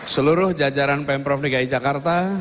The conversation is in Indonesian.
seluruh jajaran pemprov dki jakarta